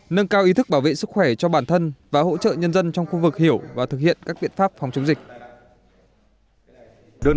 nâng cao ý thức bảo vệ sức khỏe cho bản thân và hỗ trợ nhân dân trong khu vực hiểu và thực hiện các biện pháp phòng chống dịch